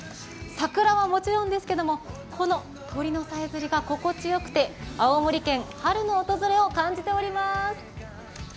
桜はもちろんですけど鳥のさえずりが心地よくて青森県、春の訪れを感じております